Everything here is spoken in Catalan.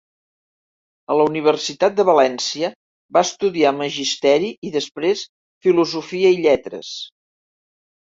A la Universitat de València va estudiar Magisteri i després Filosofia i Lletres.